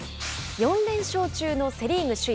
４連勝中のセ・リーグの首位